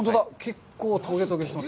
結構、トゲトゲしてます。